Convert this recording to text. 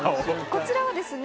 こちらはですね